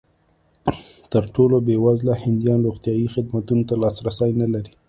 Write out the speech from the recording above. تر ټولو بېوزله هندیان روغتیايي خدمتونو ته لاسرسی نه لري.